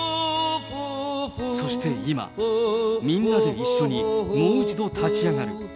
そして今、みんなで一緒にもう一度立ち上がる。